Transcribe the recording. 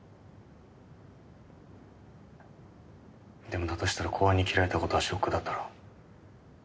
でもだとしたら公安に切られた事はショックだったろう。